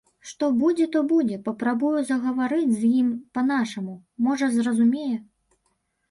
Што будзе, то будзе, папрабую загаварыць з ім па-нашаму, можа, зразумее.